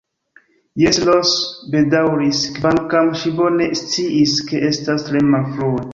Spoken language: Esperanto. Jes, Ros bedaŭris, kvankam ŝi bone sciis, ke estas tre malfrue.